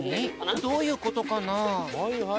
どういうことかな？